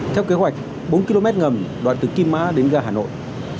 theo kế hoạch bốn km ngầm đoạn từ kim mã đến ga hà nội